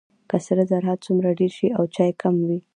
که سره زر هر څومره ډیر شي او چای کم وي.